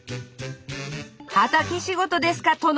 畑仕事ですか殿。